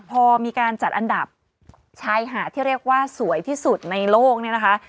พอมีการจัดอันดับชายหาดที่เรียกว่าสวยที่สุดในโลกเนี่ยนะคะ